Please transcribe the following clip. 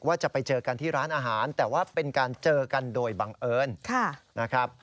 ว่าจะไปเจอกันที่ร้านอาหารแต่ว่าเป็นการเจอกันโดยบังเอิญนะครับ